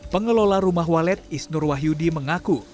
pengelola rumah walet isnur wahyudi mengaku